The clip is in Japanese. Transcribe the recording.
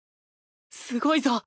すごいぞ